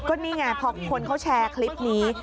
ก็นี่ไงพอคนเขาแชร์คลิปนี้